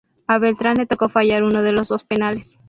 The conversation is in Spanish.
A Beltrán le tocó fallar uno de los penales.